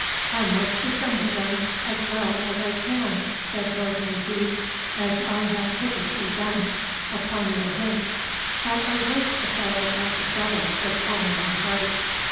"I must dissemble, then, as well as I can," said Lord Menteith, "as I have hitherto done, upon your hint. But I wish the fellow at the devil with all my heart."